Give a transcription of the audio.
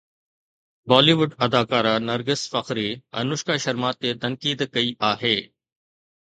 بالي wood اداڪارا نرگس فخري انوشڪا شرما تي تنقيد ڪئي آهي